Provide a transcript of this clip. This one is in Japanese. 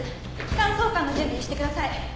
気管挿管の準備してください。